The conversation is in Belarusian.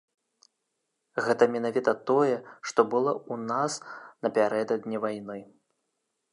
Гэта менавіта тое, што было ў нас напярэдадні вайны.